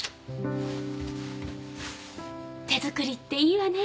手作りっていいわね。